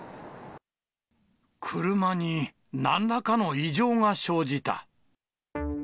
車になんらかの異常が生じた。